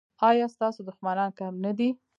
ایا ستاسو دښمنان کم نه دي؟